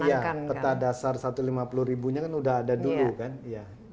iya peta dasar satu ratus lima puluh ribunya kan udah ada dulu kan